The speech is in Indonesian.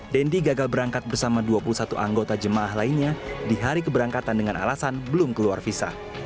dendi gagal berangkat bersama dua puluh satu anggota jemaah lainnya di hari keberangkatan dengan alasan belum keluar visa